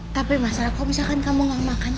tapi masalah kalau misalkan kamu gak makan